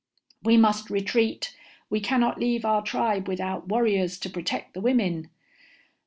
"We must retreat. We cannot leave our tribe without warriors to protect the women."